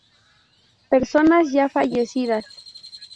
Personas ya fallecidas.